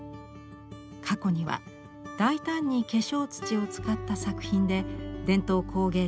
過去には大胆に化粧土を使った作品で伝統工芸展で入賞しました。